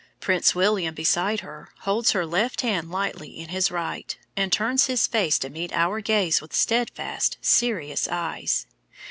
Prince William, beside her, holds her left hand lightly in his right, and turns his face to meet our gaze with steadfast, serious eyes.